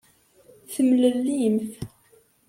Temlellimt.